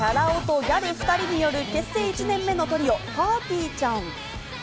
男とギャル２人による結成１年目のトリオ、ぱーてぃーちゃん。